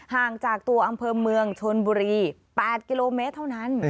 ห่างจากตัวอำเภอเมืองชนบุรี๘กิโลเมตรเท่านั้น